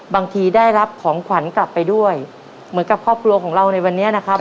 ได้รับของขวัญกลับไปด้วยเหมือนกับครอบครัวของเราในวันนี้นะครับ